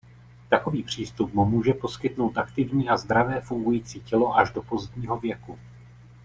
Takový přístup mu může poskytnout aktivní a zdravé fungující tělo až do pozdního věku.